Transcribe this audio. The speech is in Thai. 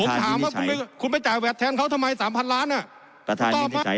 ผมถามว่าคุณไปจ่ายแวดแทนเขาทำไม๓๐๐ล้านตอบไหม